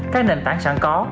các nền tảng sản có